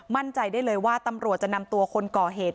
มั่นใจได้เลยว่าตำรวจจะนำตัวคนก่อเหตุ